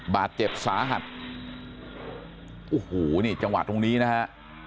บาดเจ็บสาหัสโอ้โหนี่จังหวะตรงนี้นะฮะ